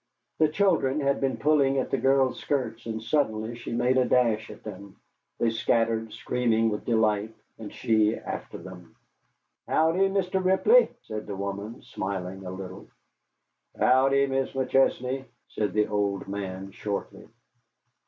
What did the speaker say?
The children had been pulling at the girl's skirts, and suddenly she made a dash at them. They scattered, screaming with delight, and she after them. "Howdy, Mr. Ripley?" said the woman, smiling a little. "Howdy, Mis' McChesney?" said the old man, shortly.